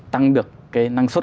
tăng được cái năng suất